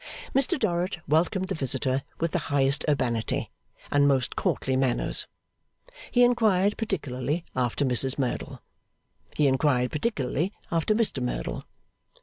Mr Dorrit welcomed the visitor with the highest urbanity, and most courtly manners. He inquired particularly after Mrs Merdle. He inquired particularly after Mr Merdle.